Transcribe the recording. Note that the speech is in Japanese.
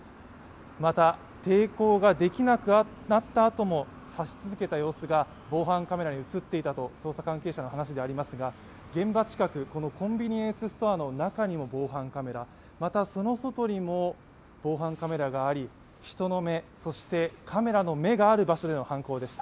また、抵抗ができなくなったあとも刺し続けた様子が防犯カメラに映っていたと捜査関係者の話にありますが現場近く、コンビニエンスストアの中にも防犯カメラまた、その外にも防犯カメラがあり人の目、そしてカメラの目がある場所での犯行でした。